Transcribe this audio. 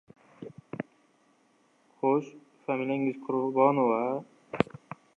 — Xo‘sh, familiyangiz Qurbonov-a?